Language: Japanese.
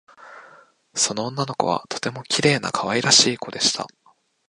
その女の子はとてもきれいなかわいらしいこでした